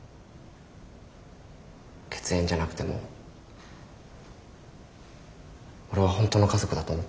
血縁じゃなくても俺は本当の家族だと思ってる。